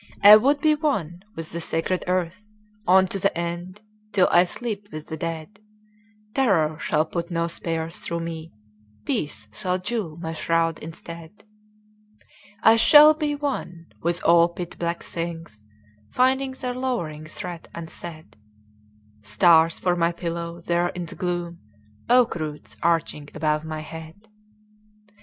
I would be one with the sacred earth On to the end, till I sleep with the dead. Terror shall put no spears through me. Peace shall jewel my shroud instead. I shall be one with all pit black things Finding their lowering threat unsaid: Stars for my pillow there in the gloom,— Oak roots arching about my head!